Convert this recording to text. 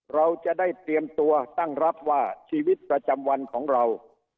เราจะได้เตรียมตัวตั้งรับว่าชีวิตประจำวันของเรา